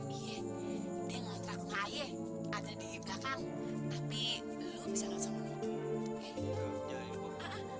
iya dia ngontrak sama aye ada di belakang